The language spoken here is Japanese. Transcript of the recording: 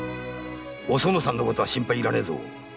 おそのさんのことは心配いらねえぞ。